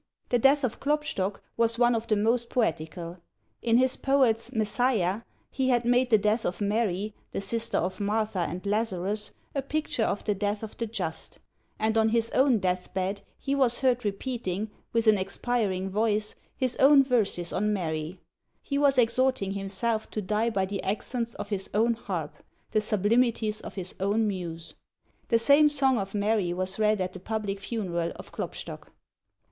The death of Klopstock was one of the most poetical: in this poet's "Messiah," he had made the death of Mary, the sister of Martha and Lazarus, a picture of the death of the Just; and on his own death bed he was heard repeating, with an expiring voice, his own verses on Mary; he was exhorting himself to die by the accents of his own harp, the sublimities of his own muse! The same song of Mary was read at the public funeral of Klopstock.